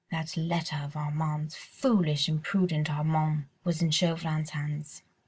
That letter of Armand's—foolish, imprudent Armand—was in Chauvelin's hands.